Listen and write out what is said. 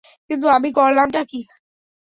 কিন্তু আমি করলামটা কী?